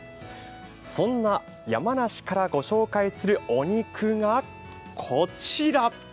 そんな山梨からご紹介するお肉がこちら。